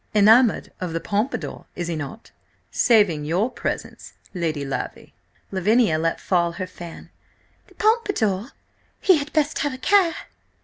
"Enamoured of the Pompadour, is he not–saving your presence, Lady Lavvy!" Lavinia let fall her fan. "The Pompadour! He had best have a care!"